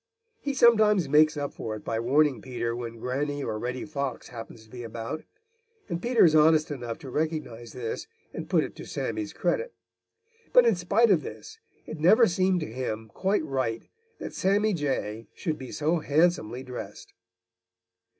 He sometimes makes up for it by warning Peter when Granny or Reddy Fox happens to be about, and Peter is honest enough to recognize this and put it to Sammy's credit. But in spite of this, it never seemed to him quite right that Sammy Jay should be so handsomely dressed.